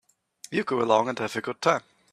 You go along and have a good time.